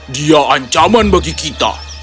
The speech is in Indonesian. dia menyebabkan kita